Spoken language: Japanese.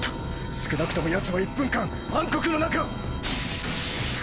少なくともヤツは１分間暗黒の中！